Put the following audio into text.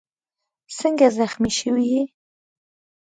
څنګه زخمي شوی یې؟